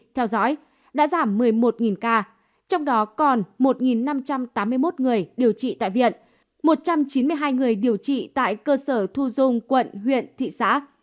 theo dõi đã giảm một mươi một ca trong đó còn một năm trăm tám mươi một người điều trị tại viện một trăm chín mươi hai người điều trị tại cơ sở thu dung quận huyện thị xã